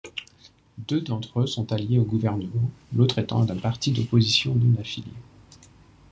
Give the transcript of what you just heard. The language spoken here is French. Deux d'entre eux sont alliés au gouvernement, l'autre étant un parti d'opposition non-affilié.